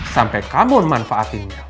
sampai kamu manfaatin mel